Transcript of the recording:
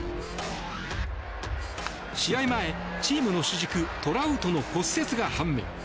試合前、チームの主軸トラウトの骨折が判明。